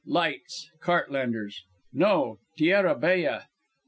Lights! Cart lanterns? No, Terra Bella.